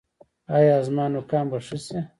ایا زما نوکان به ښه شي؟